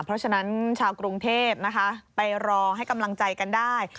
เพราะฉะนั้นชาวกรุงเทพนะคะไปรอให้กำลังใจกันได้